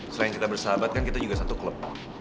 selain kita bersahabat kan kita juga satu klub